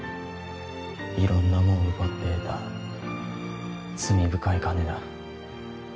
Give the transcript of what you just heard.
色んなもん奪って得た罪深い金だ